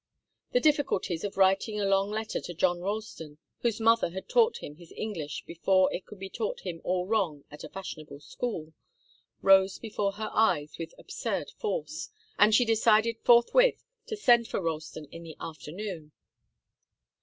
The difficulties of writing a long letter to John Ralston, whose mother had taught him his English before it could be taught him all wrong at a fashionable school, rose before her eyes with absurd force, and she decided forthwith to send for Ralston in the afternoon.